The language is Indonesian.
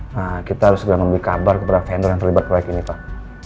nah kita harus segera memberi kabar kepada vendor yang terlibat proyek ini pak